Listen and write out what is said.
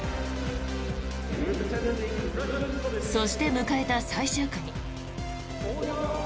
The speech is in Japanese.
そして、迎えた最終組。